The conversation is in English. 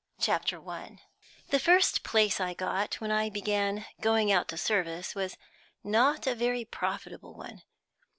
CHAPTER I. THE first place I got when I began going out to service was not a very profitable one.